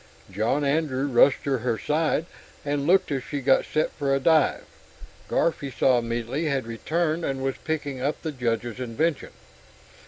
John Andrew rushed to her side and looked as she got set for a dive. Garf, he saw immediately, had returned, and was picking up the Judge's invention.